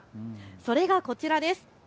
それがこちらです。